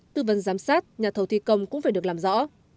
tư vấn giám sát nhà thầu thi công cũng phải được làm rõ